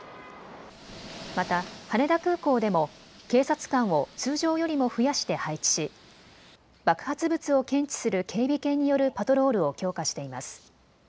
また羽田空港でも警察官を通常よりも増やして配置し、爆発物を検知する警備犬によるパトロールを強化しています。